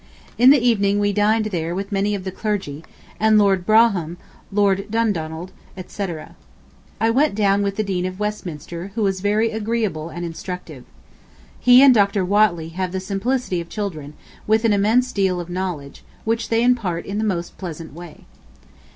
In the evening we dined there with many of the clergy, and Lord Brougham, Lord Dundonald, etc. I went down with the Dean of Westminster, who was very agreeable and instructive. He and Dr. Whately have the simplicity of children, with an immense deal of knowledge, which they impart in the most pleasant way.